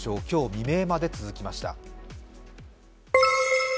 今日未明まで続きました。